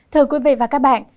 thưa quý vị và các bạn